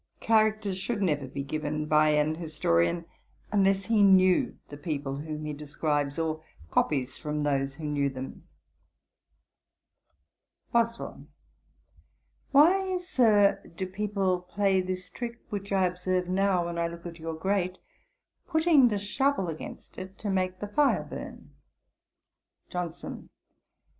Characters should never be given by an historian, unless he knew the people whom he describes, or copies from those who knew them.' BOSWELL. 'Why, Sir, do people play this trick which I observe now, when I look at your grate, putting the shovel against it to make the fire burn?' JOHNSON.